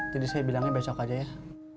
jadi saya bilangnya besok aja ya